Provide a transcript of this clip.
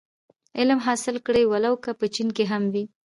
علم حاصل کړی و لو که په چين کي هم وي.